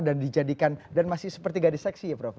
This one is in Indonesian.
dan dijadikan dan masih seperti gadis seksi ya prof ya